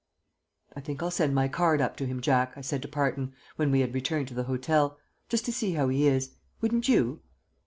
"I think I'll send my card up to him, Jack," I said to Parton, when we had returned to the hotel, "just to ask how he is. Wouldn't you?"